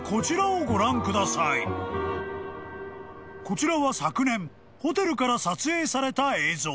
［こちらは昨年ホテルから撮影された映像］